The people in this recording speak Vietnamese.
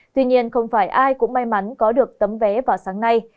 tuy nhiên không phải ai cũng may mắn có được tấm vé vào sáng nay